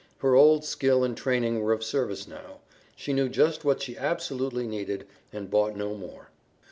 Her old skill and training were of service now. She knew just what she absolutely needed, and bought no more.